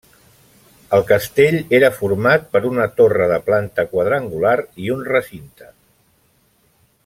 El castell era format per una torre de planta quadrangular i un recinte.